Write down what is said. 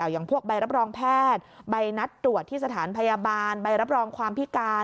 อย่างพวกใบรับรองแพทย์ใบนัดตรวจที่สถานพยาบาลใบรับรองความพิการ